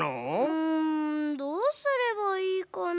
うんどうすればいいかな。